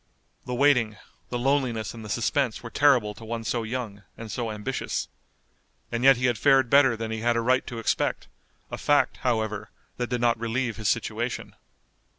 The waiting, the loneliness and the suspense were terrible to one so young, and so ambitious. And yet he had fared better than he had a right to expect, a fact, however, that did not relieve his situation.